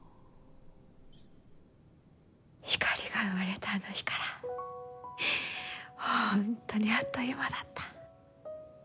ひかりが生まれたあの日から本当にあっという間だった。